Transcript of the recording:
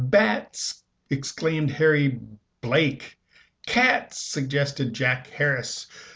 "Bats!" exclaimed Harry Blake. "Cats!" suggested Jack Harris.